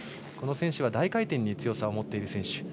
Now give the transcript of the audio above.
この選手は大回転に強さを持っている選手。